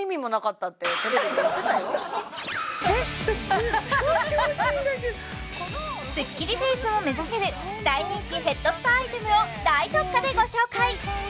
アハハハッテレビでスッキリフェイスを目指せる大人気ヘッドスパアイテムを大特価でご紹介！